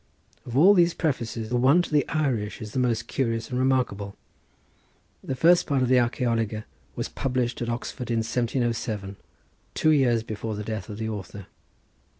Of all these prefaces the one to the Irish is the most curious and remarkable. The first part of the Archæologia was published at Oxford in 1707, two years before the death of the author.